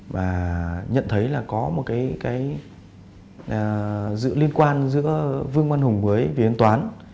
và nhận thấy là có một cái dự liên quan giữa vương văn hùng với vị văn toán